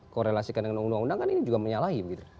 korelasikan dengan undang undang kan ini juga menyalahi gitu